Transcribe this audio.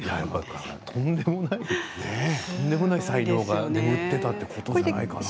とんでもない才能が眠っていたということじゃないかな。